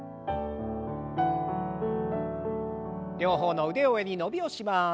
両方の腕を上に伸びをします。